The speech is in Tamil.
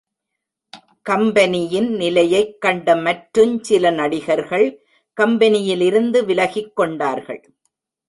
கம்பெனியின் நிலையைக் கண்ட மற்றுஞ் சில நடிகர்கள் கம்பெனியிலிருந்து விலகிக் கொண்டார்கள்.